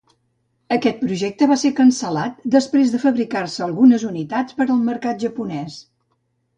Aquest projecte va ser cancel·lat després de fabricar-se algunes unitats per al mercat japonès.